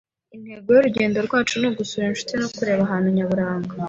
Intego y'urugendo rwacu ni ugusura inshuti no kureba ahantu nyaburanga.